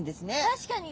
確かに。